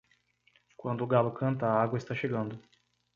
Quando o galo canta, a água está chegando.